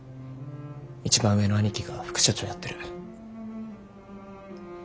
一番上の兄貴が副社長やってる。